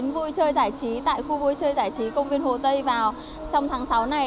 vui chơi giải trí tại khu vui chơi giải trí công viên hồ tây vào trong tháng sáu này